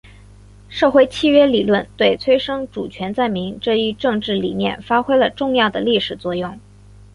社会契约理论对催生主权在民这一政治理念发挥了重要的历史作用。